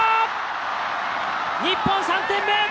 日本３点目！